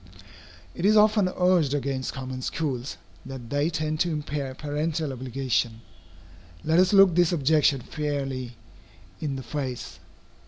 It is often urged against common schools, that they tend to impair parental obligation. Let us look this objection fairly in the face.